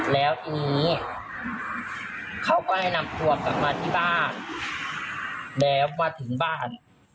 แล้วทีนี้เขาก็เลยนำตัวกลับมาที่บ้านแล้วมาถึงบ้าน